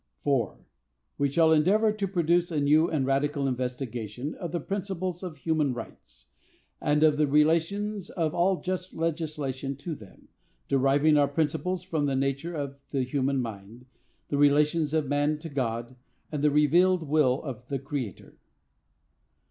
4. We shall endeavor to produce a new and radical investigation of the principles of human rights, and of the relations of all just legislation to them, deriving our principles from the nature of the human mind, the relations of man to God, and the revealed will of the Creator.